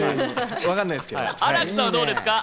新木さんはどうですか？